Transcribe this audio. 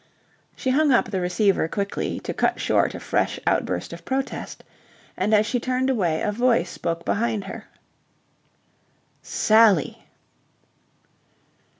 She hung up the receiver quickly, to cut short a fresh outburst of protest. And as she turned away a voice spoke behind her. "Sally!"